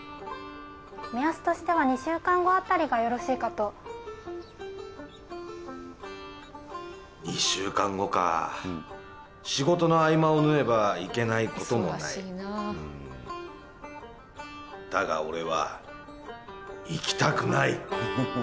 目安としては２週間後あたりがよろしいかと２週間後か仕事の合間を縫えば行けないこともないだが俺は行きたくない！